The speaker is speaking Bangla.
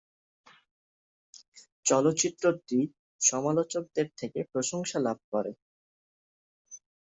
চলচ্চিত্রটি সমালোচকদের থেকে প্রশংসা লাভ করে।